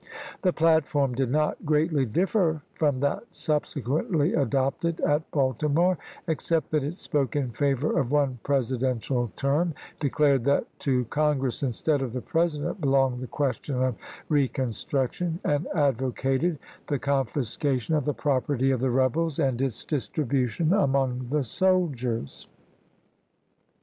The platform did not greatly differ from that subsequently adopted at Baltimore, except that it spoke in favor of one Presidential term, declared that to Congress instead of the President belonged the question of recon struction, and advocated the confiscation of the property of the rebels and its distribution among the soldiers.